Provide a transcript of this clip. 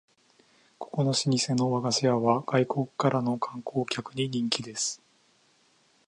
ここの老舗の和菓子屋は外国からの観光客に人気です